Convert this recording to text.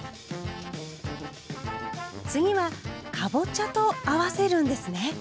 次はかぼちゃと合わせるんですね。